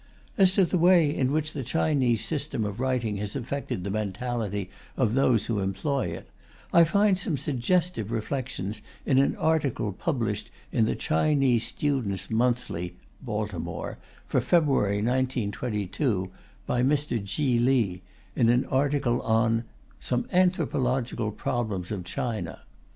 As to the way in which the Chinese system of writing has affected the mentality of those who employ it, I find some suggestive reflections in an article published in the Chinese Students' Monthly (Baltimore), for February 1922, by Mr. Chi Li, in an article on "Some Anthropological Problems of China."